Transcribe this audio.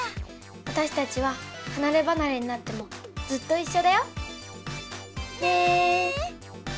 わたしたちははなればなれになってもずっといっしょだよ。ね！